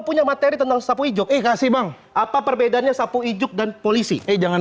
punya materi tentang sapu ijuk eh kasih bang apa perbedaannya sapu ijuk dan polisi eh jangan